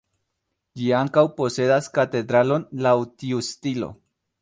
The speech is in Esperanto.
Ĝi ankaŭ posedas katedralon laŭ tiu stilo.